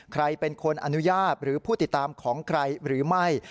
ใครเป็นคนอนุญาตหรือผู้ติดตามของใครหรือไม่